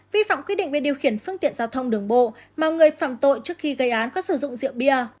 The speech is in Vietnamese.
vi phạm quy định về điều khiển phương tiện giao thông đường bộ mà người phạm tội trước khi gây án có sử dụng rượu bia